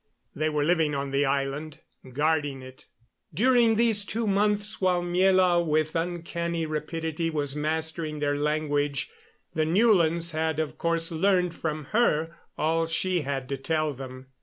They were living on the island, guarding it. During these two months while Miela, with uncanny rapidity, was mastering their language, the Newlands had of course learned from her all she had to tell them.